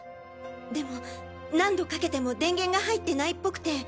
でも何度かけても電源が入ってないっぽくて。